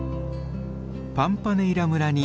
パンパネイラ村に到着。